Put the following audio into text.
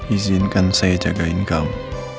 izinkan saya jagain kamu